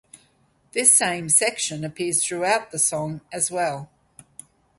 This same section appears throughout the song as well.